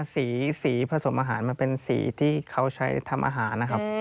สีผสมอาหารมันเป็นสีที่เขาใช้ทำอาหารนะครับ